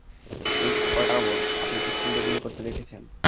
Miss Otterbourne, আপনি পিস্তল দিয়ে গুলি করতে দেখেছেন।